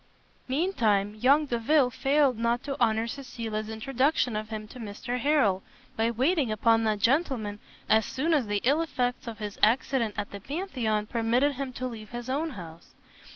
Mean time young Delvile failed not to honour Cecilia's introduction of him to Mr Harrel, by waiting upon that gentleman as soon as the ill effects of his accident at the Pantheon permitted him to leave his own house.